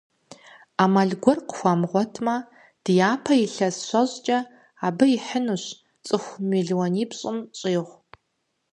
Ӏэмал гуэр къыхуамыгъуэтмэ, дяпэ илъэс щэщӀкӀэ абы ихьынущ цӏыху мелуанипщӀым щӀигъу.